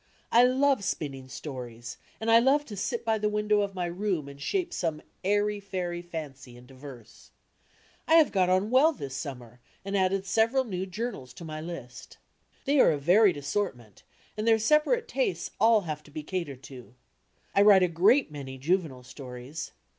I love spinning stories, and I love to sit by the window of my room and shape some 'airy fairy' fancy into verse. I have got on well this summer and added several new journals to my list. They are a varied assortment, and their sepa rate tastes all have to be catered to. I write a great many juvenile stories.